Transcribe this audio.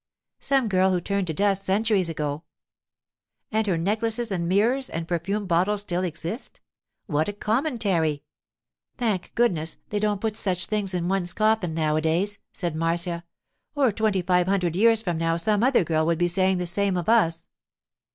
'Some girl who turned to dust centuries ago.' 'And her necklaces and mirrors and perfume bottles still exist. What a commentary!' 'Thank goodness, they don't put such things in one's coffin nowadays,' said Marcia; 'or twenty five hundred years from now some other girl would be saying the same of us.